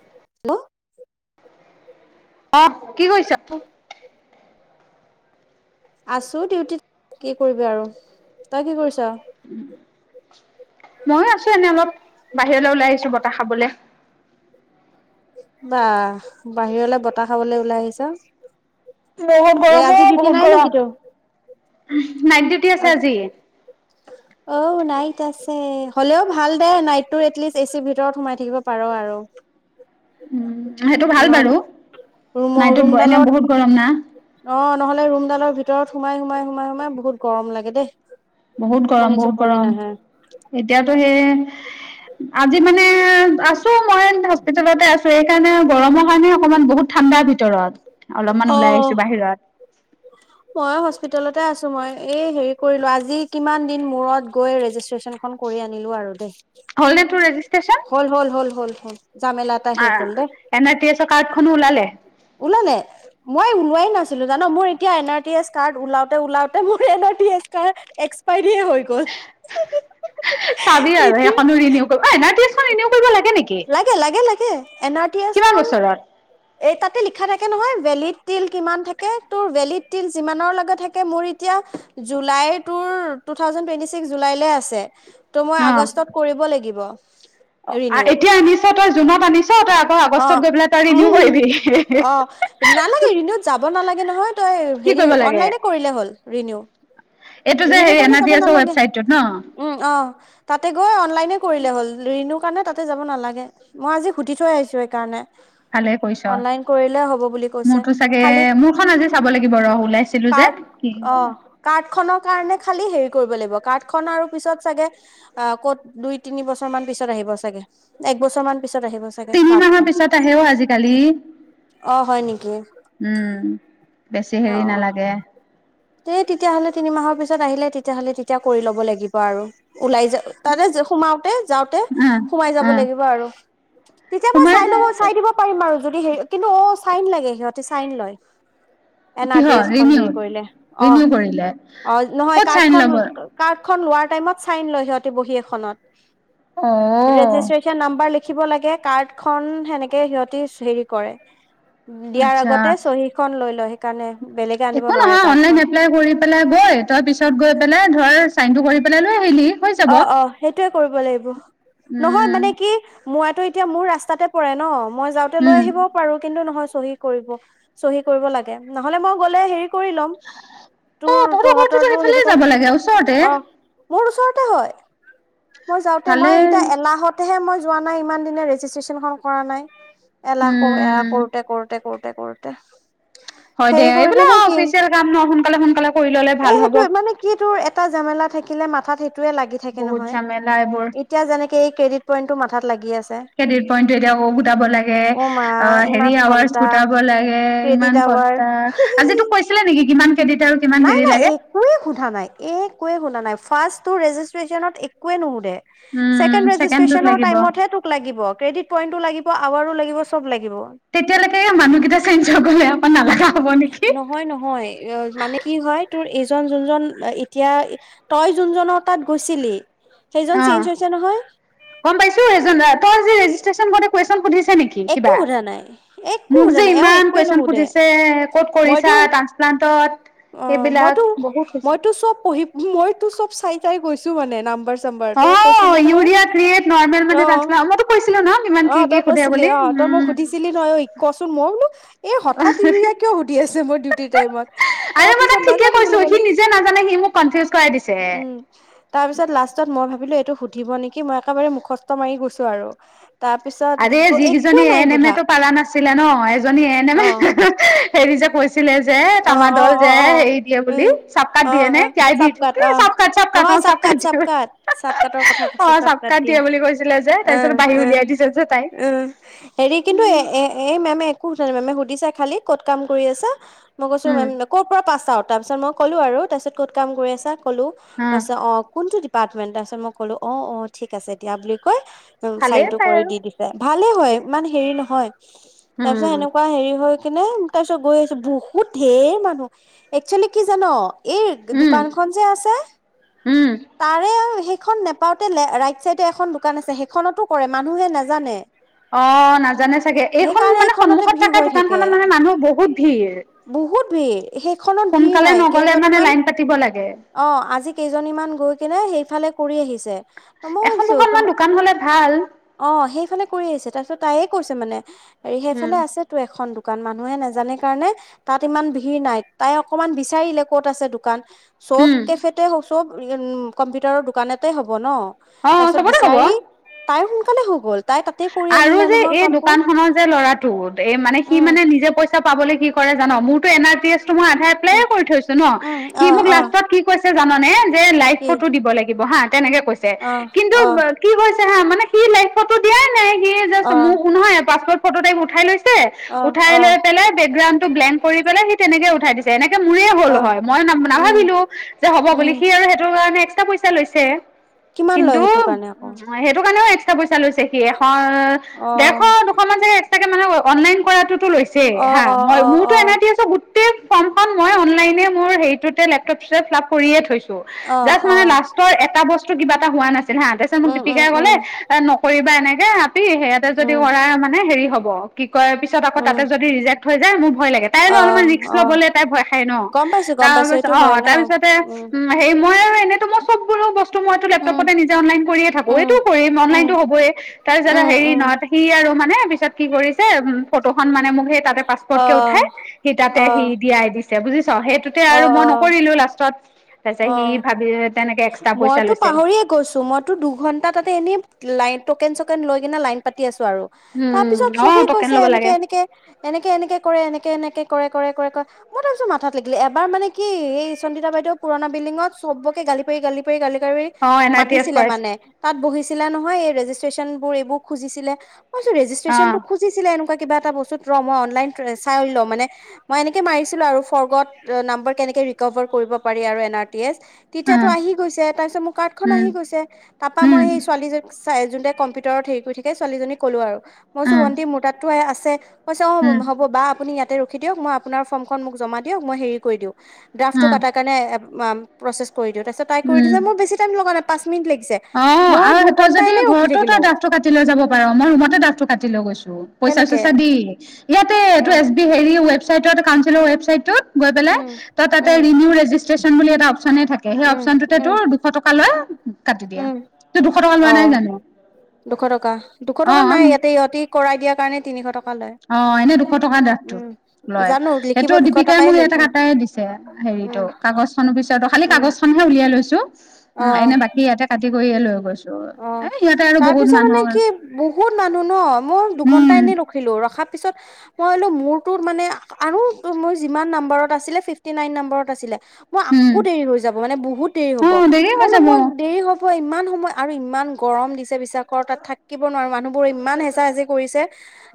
Hello. অ', কি কৰিছ? আছো ডিউটিত, কি কৰিবি আৰু, তই কি কৰিছ? ময়ো আছো এনেই অলপ, বাহিৰলৈ ওলাই আহিছো, বতাহ খাবলে। বাহ, বাহিৰলৈ বতাহ খাবলৈ ওলাই আহিছা। বহুত গৰম অ', বহুত গৰম, নাইট ডিউটি আছে আজি। [inaudible] অ', নাইট আছে হ'লেওঁ ভাল দে নাইটটো এটলিষ্ট এচিৰ ভিতৰত সোমাই থাকিব পাৰ আৰু। উম, সেইটো ভাল নহ'লে বাৰু, ৰুমৰ নাইটত অ' এনে ৰুমডালত বহুত গৰম না। অ', নহলে ৰুমডালৰ ভিতৰত সোমাই, সোমাই, সোমাই, সোমাই বহুত গৰম লাগে দেই। বহুত গৰম টোপনি বহুত চোপনি গৰম, নাহে এতিয়াতো সেই আজি মানে আছো মই হস্পিতেলতে আছো, এই কাৰণে গৰমৰ কাৰণে অকনমান বহুত ঠাণ্ডাৰ ভিতৰত, অলপমান ওলাই অ' আহিছো বাহিৰত। মই হস্পিতেলতে আছো, মই এই হেৰি কৰিলো, আজি কিমান দিন মূৰত গৈ ৰেজিষ্ট্ৰচন খন কৰি আনিলো আৰু দেই। হ'লনে তোৰ ৰেজিষ্ট্ৰেশচন? হ'ল, হ'ল, হ'ল, হ'ল, হ'ল। জামেলা এটা শেষ তোমাৰ, হ'ল দেই এন আৰ টি এছ অৰ' কাৰ্ডখন ওলালে? ওলালে। মই ওলোৱাই নাছিলো জান, মোৰ এতিয়া N R T S card ওলাওঁতে ওলাওঁতে, মোৰ N R T S card এক্সপাইৰিয়ে হৈ গ'ল। চাবি আৰু এতিয়া সেইখনো ৰিনিও কৰিব, ঐ এন আৰ টি এছ খন ৰিনিয়ো কৰিব লাগে নেকি? লাগে লাগে এন আৰ ডি এছ কিমান খন, বছৰত এই তাত লিখা থাকে নহয়, ভেলিড তিল কিমান থাকে তোৰ ভেলিড তিল যিমানৰ লগত থাকে, মোৰ এতিয়া জুলাই তোৰ, টু থাউজেনড টুৱেণ্টি ছিক্স জুলাইলৈ আছে। ত' মই আগষ্টত অ কৰিব লাগিব, ৰিনিউ। এতিয়া আনিছ তই জুনত আনিছো তাত অ', উম অ', নালাগে ৰিনিউত যাব নালাগে নহয়। তই কি হেৰি কৰিব লাগে অনলাইনে কৰিলে হ'ল ৰিনিউ। এইটো যে ৰিনিউ হেৰি এন কাৰণে যাব ডি এছৰ নালাগে ৱেবচাইট টোত ন। উম অ'। তাতে গৈ অনলাইনে কৰিলে হ'ল, ৰিনিউৰ কাৰণে তাতে যাব নালাগে, মই আজি সুধি থৈ আহিছো সেইকাৰণে। ভালে কৰিছ, অনলাইন কৰিলে হ'ব বুলি কৈছে মোৰতো চাগে, খালি মোৰখন আজি চাব লাগিব ৰ ওলাইছিলো যে। কাৰ্ড উম। অ', কাৰ্ড খনৰ কাৰণে খালি হেৰি কৰিব লাগিব, কাৰ্ড খন আৰু পিছত চাগে অ', ক'ত দুই তিনি বছৰ মান পিছত আহিব চাগে, এক বছৰ মান পিছত আহিব চাগে। তিনি মাহৰ কাৰ্ডখন পিছত আহে অ' আজিকালি। অ হয় নেকি উম, বেছি হেৰি নালাগে। দে, তেতিয়াহ'লে তিনিমাহৰ পিছত আহিলে, তেতিয়াহ'লে তেতিয়া কৰি ল'ব লাগিব আৰু। ওলাই যা তাতে সোমাওঁতে, যাওঁতে অ সোমাই অ যাব লাগিব আৰু। তেতিয়া মই সোমাই চাই ল যায় চাই দিব পাৰিম আৰু, যদি হে, কিন্তু অ' চাইন লাগে সিহঁতে চাইন লয়। এন আৰ ডি কিহৰ এছখন ৰিনিউ হেৰি কৰিলে, অ' ৰিনিউ কৰিলে অ' ক'ত নহয় চাইন কাৰ্ডখন ল'ব কাৰ্ডখন লোৱাৰ টাইমত চাইন লয় সিহঁতি বহী এখনত। অ'। ৰেজিষ্ট্ৰেশচন নাম্বাৰ লিখিব লাগে, কাৰ্ড খন সেনেকে সিহঁতি হেৰি কৰে। দিয়াৰ আচ্ছা আগতে চহী খন লৈ লয়। সেইকাৰণে বেলেগে আনিব একো নোৱাৰে নহয় অনলাইন কাৰ্ডখন। এপ্লাই কৰি পেলাই গৈ তই পিছত গৈ পেলাই ধৰ চাইনটো কৰি পেলাই লৈ আহিলি। হৈ যাব অ', অ' সেইটোয়ে কৰিব লাগিব, নহয় উম মানে কি মোৰ এইতো এতিয়া মোৰ ৰাস্তাতে পৰে ন, মই যাওঁতে লৈ উম আহিব পাৰো। কিন্তু নহয় চহী কৰিব চহী কৰিব লাগে। নহ'লে মই গ'লে হেৰি কৰি ল'ম। অ তোৰ তহঁতৰ ঘৰটোতো তহঁতৰটো সেইফালে হেৰি ক'ৰ যাব লাগে ওচৰতে অ', মোৰ ওচৰত টো হয়। মই যাওঁতে, ভালে মই এতিয়া এলাহতহে মই যোৱা নাই ইমান দিনে ৰেজিষ্ট্ৰেশ্যন খন কৰা নাই। এলাহ এলাহ উম কৰোতে কৰোতে কৰোতে কৰোতে হয় দে, হেৰি কৰিবি এইবিলাক নে অ' কি অফিচিয়েল কাম ন সোনকালে সোনকালে কৰি ললে এ ভাল হ'ব সেইটোৱে, মানে কি তোৰ এটা জামেলা থাকিলে মাথাত সেইটোয়ে লাগি থাকে বহুত নহয়, ঝামেলা এইবোৰ উম। এতিয়া যেনেকে এই ক্ৰেডিট পইণ্টটো মাথাত লাগি আছে। ক্ৰেডিট পইণ্টটো এতিয়া গোটাব লাগে। অ' মা অ', হেৰি ইমান আৱাজ ঘন্টা গোটাব লাগে ক্ৰেডিট ইমান আৱাৰ ঘণ্টা, আজি তোক কৈছিলে নেকি কিমান ক্ৰেডিট আৰু কিমান নাই হেৰি নাই লাগে? একোৱে সোধা নাই একেৱে সোধা নাই, ফাৰ্ষ্ট ৰেজিষ্ট্ৰেশ্যনত একোৱে নোশুধে। উম চেকেণ্ড ছেকেণ্ডটোত ৰেজিষ্ট্ৰেশ্যন ৰ লাগিব টাইমত হে তোক ক লাগিব ক্ৰেডিট পইন্টও লাগিব আৱাৰো লাগিব চব লাগিব। তেতিয়ালৈকে মানুহকেইটা চেঞ্জ গ'লে আকৌ নালাগা হ'ব নেকি। নহয়, নহয় মানে কি হয় তোৰ এইজন যোনজন এতিয়া তই যোনজনৰ তাত গৈছিলি, সেইজন অ', চেইঞ্জ হৈছে নহয়। গ'ম পাইছো, এইজন তই যে ৰেজিষ্ট্ৰেশ্যন কৰোটে কুৱেশ্যন সুধিছে নেকি? একো সোধা নাই একো মোক সোধা যে নাই এওঁ ইমান একোৱে কুৱেশ্যন নুসুধে সুধিছে ক'ত মইতো কৰিছা প্লান্তত অ', মইতো মইতো চব পঢ়ি মইতো চব চাই চাই গৈছো মানে নাম্বাৰ চাম্বাৰ, তই অ', কৈছিলি নহয় ইউৰিয়া ক্ৰিয়েট নৰ্মেল মানে অ' ট্ৰান্সপ্লান মইতো কৈছিলো ন কিমান কি অ' কি তই সোধে কৈছিলি বুলি অ', তই মোক উম, সুধিছিলি ছিলি নহয় ঐ কচোন, মই বোলো এই হঠাৎ ইউৰিয়া কিয় সুধি আছে মোৰ ডিউটিৰ টাইমত? তাৰ আৰে মই পিছত তাক ঠিকেই নাজানো বুলি কৈছো, ক'লো সি নিজে নাজানে সি মোক কনফিউজ কৰাই দিছে। উম [unintelligible] তাৰ পিছত লাষ্টত মই ভাবিলো এইটো সুধিব নেকি মই একেবাৰে মুখস্থ মাৰি গৈছো আৰু। তাৰপিছত আৰে যিকেইজনী এ এন এম এ টো পালা নাছিলে ন, এজনী এন এম এ অ হেৰি যে কৈছিল লে যে অ তামাৰ অ দল অ যে অ হেৰি দিয়ে বুলি উম চকা অ দিয়ে অ চাপকাট অ নহয় চাপকাট চাপকাট চাপকাটৰ কথা [unintelligible] কৈছে অ', চাপকাট চপকাত দিয়ে বুলি কৈছিলে যে অ তাৰপিছত বাহিৰ অ উলিয়াই দিছে। যে তাই উম, হেৰি কিন্তু এ এ এই মেমে একো সোধা নাই, মেমে সুধিছা খালি ক'ত কাম কৰি আছে? মই কৈছো উম মেম ক' পৰা পাচ আউট? তাৰ পাছত মই ক'লো আৰু তাৰপিছত ক'ত কাম কৰি আছা ক'লো উম কৈছে অ কোনটো ডি পাৰ্টমেন? তাৰপিছত মই কলো অ' অ' ঠিক আছে দিয়া বুলি কৈ ভালেই চাইনটো পায় কৰি আৰু দি দি ভালে হয় ইমান হেৰি নহয়, তাৰ পিছত উম সেনেকুৱা হেৰি হয়। হৈ কিনে তাৰ পিছত গৈ আহিছো, বহুত ঢেৰ মানুহ। একচুৱেলি কি জান? এই উম দোকানখন যে আছে। উম। তাৰে সেইখন নেপাওঁতে ৰাইট চাইডে এখন দোকান আছে, সেইখনতো কৰে মানুহে নাজানে? অ', নাজানে চাগে, এইখন সেইকাৰণে মানে এইখনতে সন্মুখত ভিৰ থকা হৈ থাকে দোকানখনত মানে মানুহ বহুত ভিৰ। বহুত ভিৰ, সেইখনত ভিৰ সোনকালে নাই, নগলে মানে কেইজনেমান লাইন পাতিব লাগে অ', আজি কেইজনীমান গৈ কিনে, সেইফালে কৰি আহিছে। মই এখন ভাবিছো দুখন তোম মান দোকান হ'লে ভাল। অ', সেইফালে কৰি আহিছে, তাৰপিছত তাইে কৈছে মানে সেইফালে উম আছে টো এখন দোকান, মানুহে নাজানে কাৰণে তাত ইমান ভিৰ নাই, তাই অকমান বিচাৰিলে ক'ত আছে দোকান, চব উম কেফেতে চব উ, উম, কম্পিউটাৰৰ দোকানতে হ'ব ন', অ তাৰ পিছত চবতে কব বিচাৰি তাই সোনকালে হৈ গ'ল। তাই তাতে কৰি আৰু আনিলে যে নহয় এই কামবোৰ দোকান খনৰ যে ল'ৰাটো, এই মানে সি উম মানে নিজে পইচা পাবলৈ কি কৰে জান, মোৰতো এন আৰ পি এছটো মই আধাৰ এপ্লাই উম কৰি থৈছো ন' উম সি অ মোক অ লাষ্টত কি কৈছে জাননে, যে লাইভ কি ফটো দিব লাগিব হা, তেনেকে কৈছে, অহ কিন্তু অহ কি কৰিছে হা, মানে সি লাইভ ফটো দিয়াই নাই, সি অহ জাষ্ট মোক নহয় পাছপৰ্ট ফটো টাইপ উঠাই লৈছে অহ উঠাই অহ লৈ পেলাই বেকগ্ৰাউণ্ড টো ব্লেণ্ড কৰি পেলাই, সি তেনেকে উঠাই দিছে। এনেকে মোৰেই হ'ল অহ হয়, মই ন, উম নাভাবিলো, যে হ'ব বুলি, উম সি আৰু সেইটো কাৰণে এক্সট্ৰা পইচা লৈছে। কিমান লয় কিন্তু সেইটো কাৰণে আকৌ সেইটো কাৰণেও এক্সট্ৰা পইচা লৈছে সি এশ দেৰশ অহ মান চাগে এক্সট্ৰাকে অনলাইন কৰাতোটো লৈছেই হা, অ মই অ অ মোৰতো এন আৰ টি এছৰ গোটেই ফৰ্মখন মই অনলাইনে মোৰ হেৰিটোতে লেপটপ ফ্লিআপ কৰিয়ে থৈছোঁ। অ অ জাষ্ট অ মানে লাষ্টৰ এটা বস্তু কিবা এটা হোৱা নাছিল হা, তাৰপিছত মোক উম উম দিপিকাই উম কলে নকৰিবা এনেকে। সিহঁতে যদি উম কৰাই মানে হেৰি হ'ব, কি কয় পিছত আকৌ উম তাতে যদি ৰিজেক্ট হৈ যায়, মোৰ ভয় লাগে। তাই অ অলপমান ৰিক্স অ ল'বলে তাই ভয় খায় ন' গম পাইছো গম তাৰ পাইছো পিছত এইটো হয় অ', ন তাৰপিছতে উম। সেই, মই আৰু এনেটো মই চব বোলো বস্তু মইটো উম লেপটপতে নিজে অনলাইন কৰিয়ে থাকো, উম এইটোও কৰিম, অনলাইন। উম টো হ'বয়ে। তাৰপিছত উম হেৰি উম নাহুতে, সি আৰু মানে পিছত কি কৰিছে, উ, ফটোখন মানে মোক সেই তাতে পাছপৰ্টকে অহ উঠাই সি তাতে সি অহ দিয়াই দিছে বুজিছ, সেইটোতে অহ আৰু মই অহ নকৰিলোঁ লাষ্টত। তাৰ পিছত সি অহ ভাবি, তেনেকে এক্সট্ৰা পইচা লৈছে। কৈছো, মইতো দুঘন্টা তাতে এনেই লাইন টকেন, চকেন লৈ কিনে লাইন পাতি আছোঁ আৰু। তাৰ পিছত উম অ চবে টকেন কৈছে, ল'ব এনেকে, লাগে এনেকে, এনেকে, এনেকে কৰে, এনেকে, এনেকে, কৰে, কৰে, কৰে, কৰে। মই তাৰপিছত মাথাত লাগিল, এবাৰ মানে কি এই চন্দিতা বাইদেউক পুৰণা বিল্ডিঙত, চবকে গালি পৰি, গালি পৰি, গালি পাৰি, অ এন আৰ টি এছ মাতিছিলে কৰাইছে মানে। তাত বহিছিলে নহয়, এই ৰেজিষ্ট্ৰেশচন বোৰ এইবোৰ খুজিছিলে, মই বোলো অ ৰেজিষ্ট্ৰেশনটো খোজ ছিলে, এনেকুৱা কিবা এটা বস্তুত, ৰ' মই অনলাইন চাই লওঁ, মানে মই এনেকে মাৰিছিলোঁ আৰু ফৰ্গত নাম্বাৰ কেনেকে ৰিকভাৰ কৰিব পাৰি আৰু এন আৰ টি এছ। তেতিয়াতো উম আহি গৈছে, তাৰপিছত মোৰ কাৰ্ড খন উম আহি গৈছে, তাৰপা উম মই সেই ছোৱালীজনী ই, যোনতোৱে কম্পিউটাৰত হেৰি কৰি থাকে, ছোৱালীজনীক ক'লো আৰু, মই কৈছোঁ, উম ভণ্টি মোৰ তাততো আছে। কৈছে অ', উম হ'ব, বা আপুনি ইয়াতে ৰখি দিয়ক, মই আপোনাৰ ফৰ্মখন মোক জমা দি দিয়ক, মই হেৰি কৰি দিওঁ। ড্ৰাফটো উম, কটাৰ কাৰণে প্ৰচেছ কৰি দিওঁ, তাৰপিছত কৰি দিছে, উম। মোৰ বেছি টাইম লগা নাই, পাঁচ মিনিট লাগিছে। অ', মই আৰু তই দুঘন্টা যদি এনেই ৰখি ঘৰতো তই থাকিলো দ্ৰাফটো কাটি লৈ যাব পাৰ, মই ৰুমতে দ্ৰাফটো কাটি লৈ গৈছো। পইচা, কেনেকে চইচা দি, ইয়াতে অ এইটো এছ বি হে ৰি ৱেব চাইডট কউন্সিলাৰ ৱেব চাইডটোট গৈ পেলাই উম তই তাতে উম ৰিনিউ ৰেজিছ ট্ৰেশ্যন বুলি এটা অপশ্যনে থাকে, সেই উম অপশ্যন টোতে উম তোৰ দুশ টকা লয়। কাটি দিয়া। উম, তোৰ দুশ টকা লোৱা নাই অ', জানো? দুশ টকা দুশ টকা নাই অ' ইয়াতে ইহঁতি কৰাই দিয়াৰ কাৰণে তিনিশ টকা লয়। অ', এনেই দুশ টকাৰ উম, দ্ৰাফটোত। জানো। সেইটো লিখিব দুশ দীপিকাই টকাই মোক ইয়াতে লৈছে কাটায়ে দিছে, হেৰিতটো উম, কাগজ খনৰ পিছতো, খালি উম, কাগজ খন উলিয়াই লৈছো, উ অ'। এনে বাকী ইয়াতে কাটি কৰিয়ে লৈ গৈছো। এ অ' সিহঁতে আৰু তাৰ বহুত পিছত মানে মানুহৰ কি বহুত মানুহ ন মোৰ উম দুঘন্টা এনেই ৰখিলো, ৰখাৰ পিছত মই ভাবিলো মোৰতো মানে আৰু মোৰ যিমান নম্বত আছিলে ফিফটি নাইন নম্বৰত আছিলে। মই উম আকৌ দেৰি হৈ যাব, মানে বহুত দেৰি অ হ'ব। দেৰি মই হৈ বোলো যাব মই দেৰি হ'ব ইমান সময় আৰু ইমান গৰম দিছে বিশ্বাসকৰ তাত থাকিব নোৱাৰোঁ, মানুহবোৰ ইমান হেচা হেচি কৰিছে।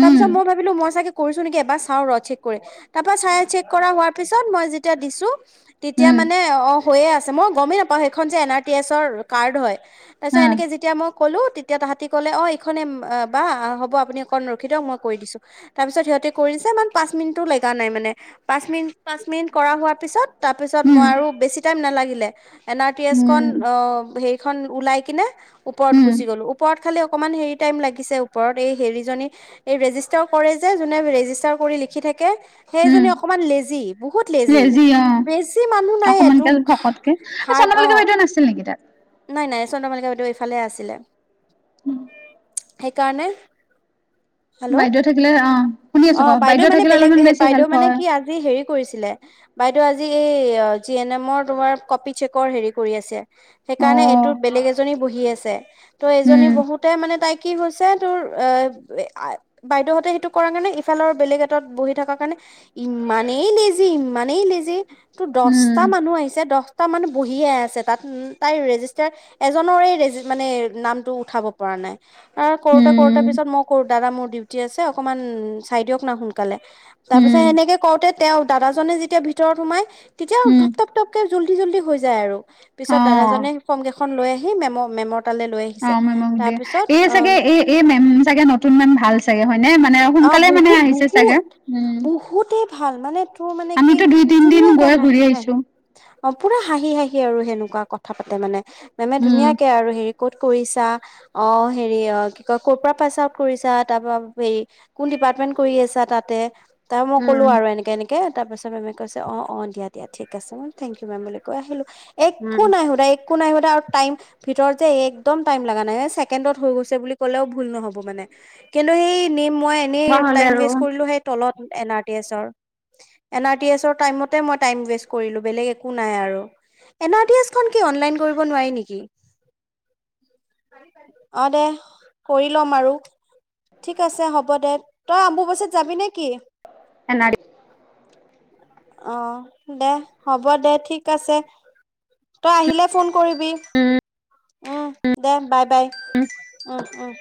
তাৰ উম পিছত মই ভাবিলো, মই চাগে কৰিছো নেকি এবাৰ চাও ৰ চেক কৰি, তাৰ পৰা চাই চেক কৰা হোৱাৰ পিছত মই যেতিয়া দিছো তেতিয়া উম মানে অ' হৈয়ে আছে, মই গমেই নাপাওঁ সেইখন যে এন আৰ টি এছৰ কাৰ্ড হয়। তাপিছত অ এনেকে যেটিয়া মোক ক'লো, তেতিয়া তাহাতি ক'লে অ' এইখনে বা হ'ব আপুনি অকণ ৰখি দিয়ক মই কৰি দিছো। তাৰ পিছত সিহঁতে কৰি দিছে ইমান পাঁচ মিনিটটো লগা নাই মানে, পাঁচ মিনিট পাঁচ মিনিট কৰা হোৱাৰ পিছত তাৰপিছত উম মই আৰু বেছি টাইম নাগিলে, এন আৰ টি এছ খন উম অ হেৰি খন ওলাই কিনে ওপৰত উম গুছি গ'লো, ওপৰত খালি অকমান হেৰি টাইম লাগিছে, ওপৰত এই হেৰি জনী ৰেজি তাৰ কৰে যে যোনে ৰেজিষ্টাৰ কৰি লিখি থাকে উম সেইজনী অকমান লেজি। বহুত লেজি। বেছি মানুহ নাই অকমানকে তোক শকতকে হাৰ্ড চন্দ্ৰমালিকা অ' বাইদেউ নাছিল নেকি তাত? নাই, নাই। চন্দ্ৰমালিকা বাইদেউ এইফালে আছিলে। উম। সেইকাৰণে হেল্ল'! বাইদেউ থাকিলে অ শুনি অ আছো ক বাইদেউ মানে থাকিলে বেলেগ অলপমান বেছি বাইদেউ হেল্প মানে হয় কি আজি হেৰি কৰিছিলে। বাইদেউ মানে আজি এই জি এন এমৰ তোমাৰ কপি চেকৰ হেৰি কৰি আছে। অ সেইকাৰণে এইটোত বেলেগ এজনী বহি আছে। ত' এইজনী উম বহোতে মানে তাইক কি হৈছে তোৰ এ বাইদেউহঁতে সেইটো কৰা কাৰণে ইফালৰ বেলেগ এটাত বহি থকা কাৰণে ইমানেই লজি ইমানেই লজি তো দহটা উম, মানুহ আহিছে, দহটা মানুহ বহিয়ে আছে তাত। তাই ৰেজিষ্টাৰ এজনৰে ৰেজ মানে নামটো উঠাব পৰা নাই, কৰোতে কৰোতে উম, পিছত মই কৰো দাদা মোৰ ডিউটি আছে অকণমান দিয়ক না সোনকালে, উম, তাৰপিছত সেনেকে কওঁতে তেওঁ দাদাজনে যেতিয়া ভিতৰত সোমাই, তেতিয়াও উম, ধপ পটপকে জল্দি জল্দি হৈ যায় আৰু। পিছত অ'। দাদাজনে ফৰ্ম কেইখন লৈ আহি মেমৰ মেমৰ তালৈ লৈ আহিছে অ', মেমক তাৰ দিয়ে। এই অ' চাগে এই এই মেম চাগে নতুন মেম ভাল চাগে হয়নে? মানে অ সোনকালে মানে বহুত আহিছে চাগে বহুত উম। বহুতেই ভাল মানে তোৰ মানে কি আমিতো দুই তিনদিন ধুনীয়াকে গৈ হাঁহি ঘূৰি হাঁহি আহিছোঁ। অ', পুৰা হাঁহি হাঁহি আৰু সেনেকুৱা কথা পাতে মানে মেমে উম। ধুনীয়াকে আৰু হেৰি ক'ত কৰিছা অ', হেৰি অ', কি কয় ক'ৰ পৰা পাছ আউট কৰিছা তাৰপা হেৰি কোন ডিপাৰ্টমেন্ট কৰি আছা তাতে তাৰপা মই ক'লো উম, আৰু এনেকে এনে কে তাৰ পিছত মেমে কৈছে অ', অ', দিয়া দিয়া ঠিক আছে মই বোলো থেংক ইউ মেম বুলি কৈ আহিলোঁ। উম, একো নাই সুধা একো নাই সুধা আৰু টাইম ভিতৰত যে, একদম টাইম লগা নাই ছেকেণ্ডত হৈ গৈছে বুলি ক'লেও ভুল নহ'ব মানে কিন্তু সেই মই এনেই তেনেকুৱা হ'লে টাইম আৰু ৱেষ্ট কৰিলো সেই তলত এন আৰ টি এছৰ। এন আৰ টি এছৰ টাইমতে মই টাইম কৰিলোঁ বেলেগ একো নাই আৰু। এন আৰ টি এছ খন কি অনলাইন কৰিব নোৱাৰি নেকি? [inaudible] অ', দে কৰি ল'ম আৰু। কে আছে হ'ব দে, তই আম্বুবাচিত যাবি নে কি? এ নাৰ অ', দে হ'ব দে, ঠিক আছে তই আহিলে ফোন কৰিবি এনা উম, দে বাই বাই উম, উম।